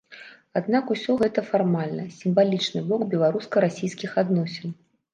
Аднак усё гэта фармальны, сімвалічны бок беларуска-расійскіх адносін.